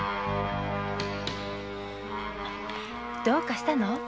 どうかしたの？